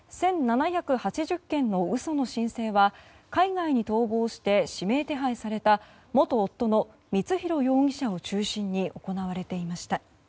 １７８０件の嘘の申請は海外に逃亡して指名手配された元夫の光弘容疑者を中心に行われていました。